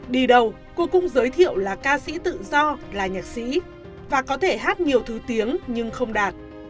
đi đầu cô cũng giới thiệu là ca sĩ tự do là nhạc sĩ và có thể hát nhiều thứ tiếng nhưng không đạt